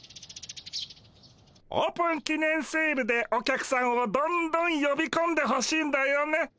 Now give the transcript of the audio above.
オープンきねんセールでお客さんをどんどんよびこんでほしいんだよね。